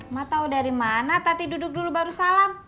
mak tau dari mana tadi duduk dulu baru salam